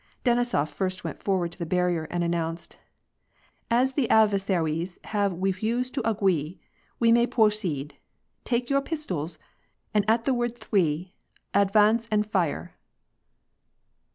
Denisof first went forward to the barrier, and announced :— "As the adve^sa'wies have wefused to agwee, we may pwo ceed. Take your pistols, and at the word thwee, advance and fire."